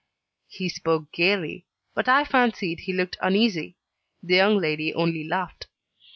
He spoke gaily; but I fancied he looked uneasy. The young lady only laughed.